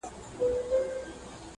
لا ترڅو به وچ په ښاخ پوري ټالېږم،